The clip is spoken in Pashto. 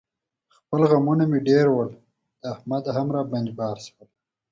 خپل غمونه مې ډېر و، د احمد هم را باندې بار شول.